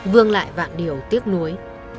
vương lại vạn điều tiếc nuối